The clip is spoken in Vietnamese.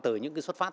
từ những cái xuất phát